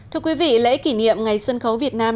thưa quý vị lễ kỷ niệm ngày sân khấu việt nam